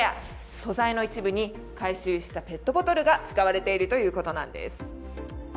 素材の一部に回収したペットボトルが使われているということです。